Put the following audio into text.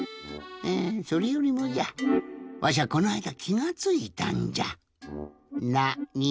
えそれよりもじゃわしゃこないだきがついたんじゃ。